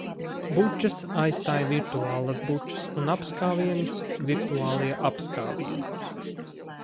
Bučas aizstāj virtuālās bučas un apskāvienus - virtuālie apskāvieni.